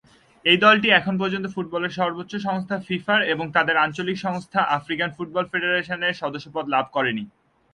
এই দলটি এখন পর্যন্ত ফুটবলের সর্বোচ্চ সংস্থা ফিফার এবং তাদের আঞ্চলিক সংস্থা আফ্রিকান ফুটবল কনফেডারেশনের সদস্যপদ লাভ করেনি।